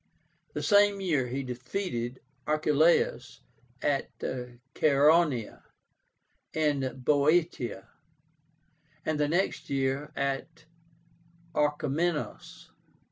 The same year he defeated Archeláus at CHAERONÉA in Boeotia, and the next year at ORCHOMENOS.